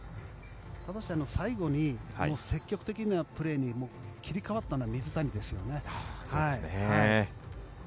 最後に積極的なプレーに切り替わったのは水谷ですよね。